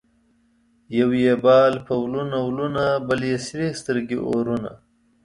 یو یې بال په ولونه ولونه ـ بل یې سرې سترګې اورونه